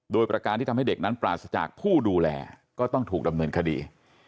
โดยประการที่ทำให้เด็กนั้นปราศจากผู้ดูแลก็ต้องถูกดำเนินคดี